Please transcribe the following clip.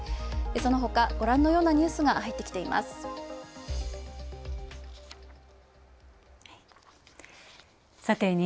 そのほか、ご覧のようなニュースが入ってきています。